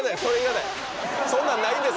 そんなんないです